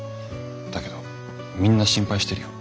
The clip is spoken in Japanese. だけどみんな心配してるよ。